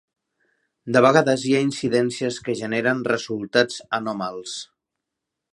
De vegades hi ha incidències que generen resultats anòmals.